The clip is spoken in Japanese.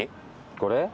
これ？